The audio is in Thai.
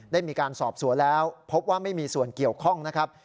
ได้มีการสอบสวนแล้วพบว่าไม่มีส่วนเกี่ยวข้องนะครับ